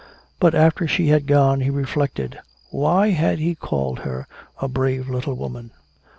But after she had gone, he reflected. Why had he called her a brave little woman?